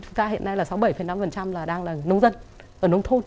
chúng ta hiện nay là sáu mươi bảy năm là đang là nông dân ở nông thôn